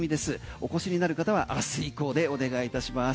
お越しになる方は明日以降でお願いいたします。